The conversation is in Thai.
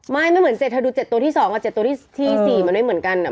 ไม่ไม่เหมือน๗เธอดู๗ตัวที่๒๗ตัวที่๔มันไม่เหมือนกัน